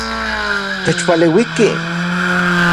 Techpaleuiki.